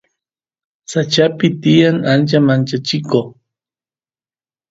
sachapi tiyan achka manchachiko